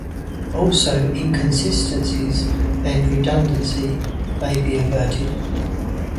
Also, inconsistencies and redundancy may be averted.